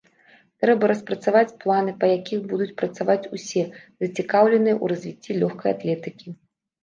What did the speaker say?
Трэба распрацаваць планы, па якіх будуць працаваць усе, зацікаўленыя ў развіцці лёгкай атлетыкі.